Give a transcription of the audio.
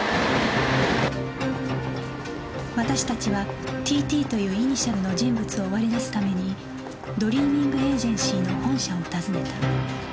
私達は Ｔ．Ｔ というイニシャルの人物を割り出すためにドリーミングエージェンシーの本社を訪ねた